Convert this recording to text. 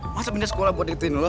masa pindah sekolah buat diketuin lu